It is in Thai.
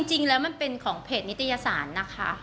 จริงแล้วมันเป็นของเพจนิตยสารนะคะ